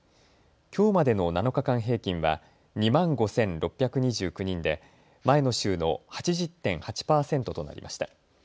きょうまでの７日間平均は２万５６２９人で前の週の８０．８％となりました。